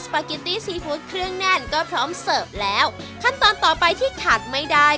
ปาเกตตี้ซีฟู้ดเครื่องแน่นก็พร้อมเสิร์ฟแล้วขั้นตอนต่อไปที่ขาดไม่ได้